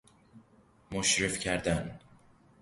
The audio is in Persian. مشرف کردن